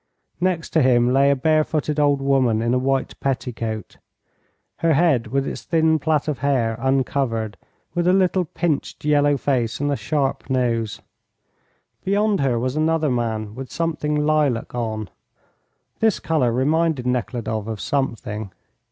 Next to him lay a bare footed old woman in a white petticoat, her head, with its thin plait of hair, uncovered, with a little, pinched yellow face and a sharp nose. Beyond her was another man with something lilac on. This colour reminded Nekhludoff of something.